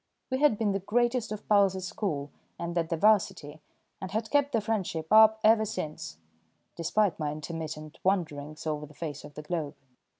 We had been the greatest of pals at school and at the 'Varsity, and had kept the friendship up ever since, despite my intermittent wanderings over the face of the globe.